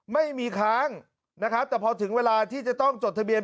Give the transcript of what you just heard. ไม่มีค้างนะครับแต่พอถึงเวลาที่จะต้องจดทะเบียน